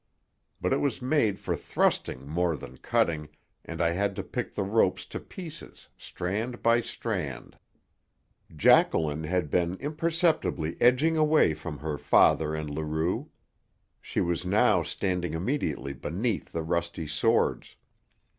But it was made for thrusting more than cutting, and I had to pick the ropes to pieces, strand by strand. Jacqueline had been imperceptibly edging away from her father and Leroux; she was now standing immediately beneath the rusty swords.